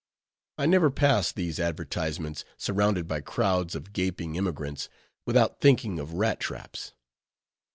I never passed these advertisements, surrounded by crowds of gaping emigrants, without thinking of rattraps.